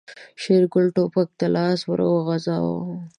شېرګل ټوپک ته لاس ور وغځاوه.